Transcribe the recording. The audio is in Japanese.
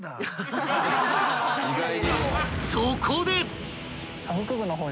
［そこで］